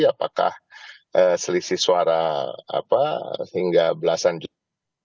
apakah selisih suara hingga belasan juta